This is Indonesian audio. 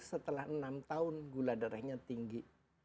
setelah enam tahun gula darahnya tinggi